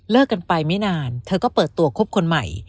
กันไปไม่นานเธอก็เปิดตัวคบคนใหม่